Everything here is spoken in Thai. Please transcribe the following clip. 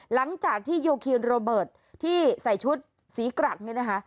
หลังจากที่โยคีนโรเบิร์ตที่ใส่ชุดสีกรักเนี่ยนะคะ